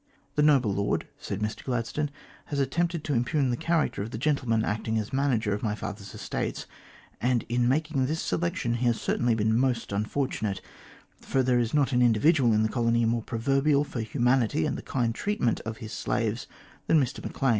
"The noble Lord," said Mr Gladstone, "has attempted to impugn the character of the gentleman acting as manager of my father's estates, and in making this selection, he has certainly been most unfortunate, for there is not an individual in the colony more proverbial for humanity and the kind treatment of his slaves than Mr Maclean.